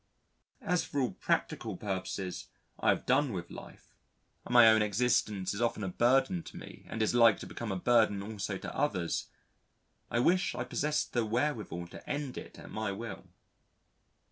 As, for all practical purposes, I have done with life, and my own existence is often a burden to me and is like to become a burden also to others, I wish I possessed the wherewithal to end it at my will.